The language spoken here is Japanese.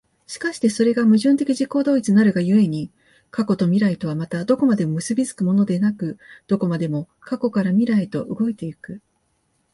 而してそれが矛盾的自己同一なるが故に、過去と未来とはまたどこまでも結び付くものでなく、どこまでも過去から未来へと動いて行く。